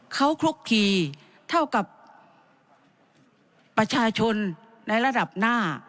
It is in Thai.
เขาคลุกคลีเท่ากับประชาชนในระดับหน้า